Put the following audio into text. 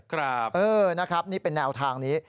ครับเออนะครับนี่เป็นแนวทางนี้